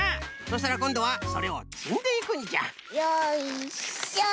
そしたらこんどはそれをつんでいくんじゃ。よいしょ。